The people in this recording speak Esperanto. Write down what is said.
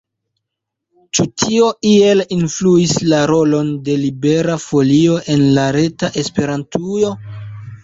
Ĉu tio iel influis la rolon de Libera Folio en la reta Esperantujo?